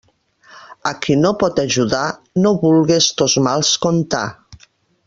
A qui no pot ajudar, no vulgues tos mals contar.